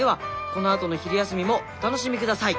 このあとの昼休みもお楽しみください。